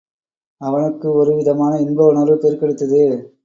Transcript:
அவனுக்கு ஒரு விதமான இன்ப உணர்வு பெருக்கெடுத்தது.